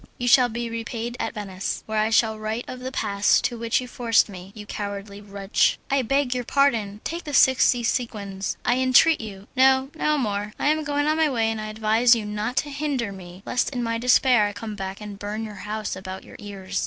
You shall be repaid at Venice, where I shall write of the pass to which you forced me, you cowardly wretch!" "I beg your pardon! take the sixty sequins, I entreat you." "No, no more. I am going on my way, and I advise you not to hinder me, lest in my despair I come back and burn your house about your ears."